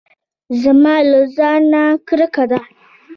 زما له ځانه کرکه ده .